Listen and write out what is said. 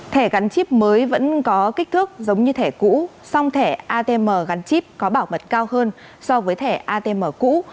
thẻ gắn chip mới vẫn có kích thước giống như thẻ cũ song thẻ atm gắn chip có bảo mật cao hơn so với thẻ atm cũ